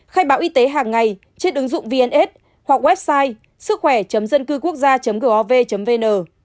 khai báo y tế hàng ngày trên ứng dụng vns hoặc website sứckhỏe dâncưquốcgia gov vn